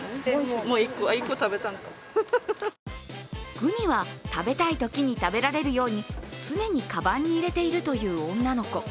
グミは食べたいときに食べられるように常にかばんに入れているという女の子。